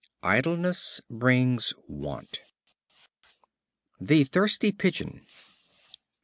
Idleness brings want. The Thirsty Pigeon.